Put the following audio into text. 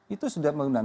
itu sudah menggunakan